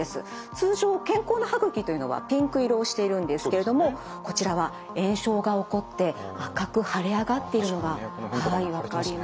通常健康な歯ぐきというのはピンク色をしているんですけれどもこちらは炎症が起こって赤く腫れ上がっているのがはい分かります。